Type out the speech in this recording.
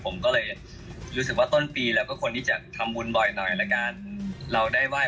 ผมก็เลยรู้สึกว่าต้นปีแล้วก็ควรที่จะทำวุ้นบ่อยหน่อยแล้วกัน